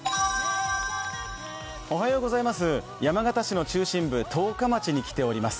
山形市の中心部、十日町に来ています。